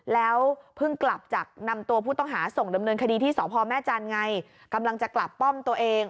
แล้วเพิ่งกลับจากนำตัวผู้ต้องหาส่งดำเนินคดีที่สพแม่จันทร์ไงกำลังจะกลับป้อมตัวเอง